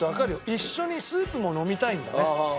一緒にスープも飲みたいんだね。